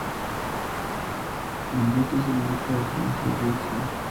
La industria se limita a la zona sur de Essex.